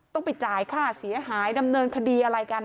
ต้องไปจ่ายค่าเสียหายดำเนินคดีอะไรกัน